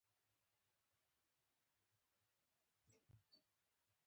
د غاښونو درملنه ځینې وختونه دردونکې وي.